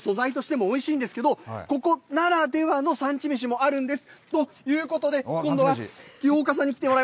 かつお、もちろん素材としてもおいしいんですけどここならではの産地めしもあるんです。